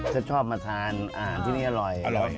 เธอชอบมาทานที่นี่อร่อยอร่อย